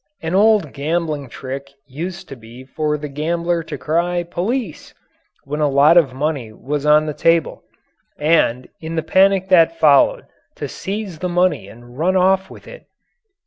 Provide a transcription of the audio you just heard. An old gambling trick used to be for the gambler to cry "Police!" when a lot of money was on the table, and, in the panic that followed, to seize the money and run off with it.